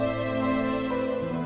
tidak ada yang lebih baik